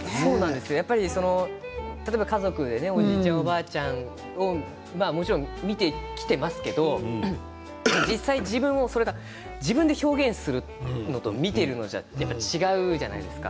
例えば家族でおじいちゃん、おばあちゃんをもちろん見てきていますけど実際、自分で表現するのと見ているのは違うじゃないですか。